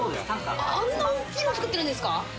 あんな大きいの作ってるんですか？